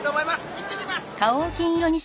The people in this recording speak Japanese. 行ってきます！